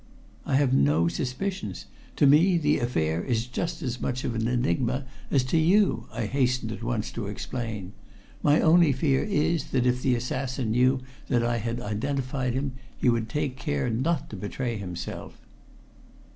"I have no suspicions. To me the affair is just as much of an enigma as to you," I hastened at once to explain. "My only fear is that if the assassin knew that I had identified him he would take care not to betray himself."